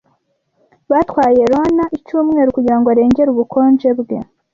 Byatwaye Ioana icyumweru kugirango arengere ubukonje bwe.